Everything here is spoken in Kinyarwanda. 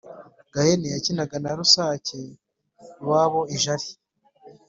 gahene yakinaga na rusake iwabo i jali.